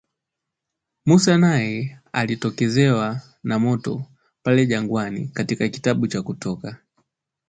Musa naye alitokezewa na moto pale jangwani katika kitabu cha Kutoka